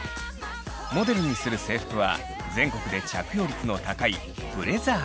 モデルにする制服は全国で着用率の高いブレザーです。